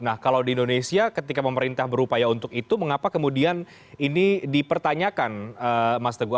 nah kalau di indonesia ketika pemerintah berupaya untuk itu mengapa kemudian ini dipertanyakan mas teguh